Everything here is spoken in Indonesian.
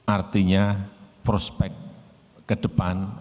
artinya prospek ke depan